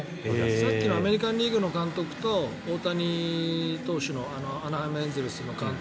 さっきのアメリカン・リーグの監督とナショナル・リーグのアナハイム・エンゼルスの監督